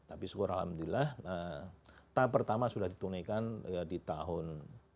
tapi segera alhamdulillah tahap pertama sudah ditunaikan di tahun dua ribu sembilan belas